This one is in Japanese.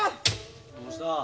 どうした？